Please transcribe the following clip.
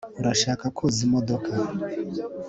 urashaka koza imodoka